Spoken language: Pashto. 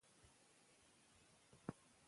دا ټکنالوژي به پراخه شي.